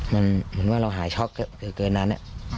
มันเหมือนว่าเราหายช็อกเกินนั้น